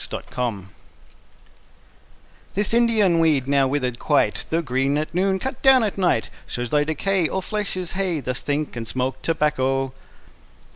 ] Part I This Indian weed, now withered quite, Though green at noon, cut down at night, Shows thy decay; All flesh is hay: Thus think, and smoke tobacco.